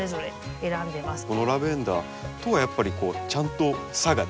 このラベンダーとやっぱりちゃんと差が出てますもんね。